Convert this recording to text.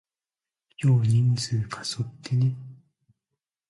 今日人数過疎ってね？